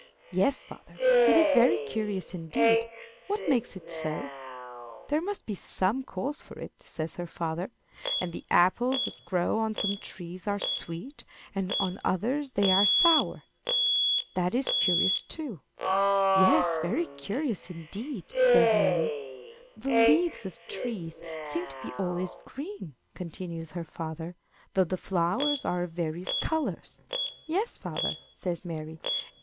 "Yes, father, it is very curious indeed. What makes it so?" "There must be some cause for it" says her father. "And the apples that grow on some trees are sweet, and on others they are sour. That is curious too." "Yes, very curious indeed," says Mary. "The leaves of trees seem to be always green," continues her father, "though the flowers are of various colors." "Yes, father," says Mary.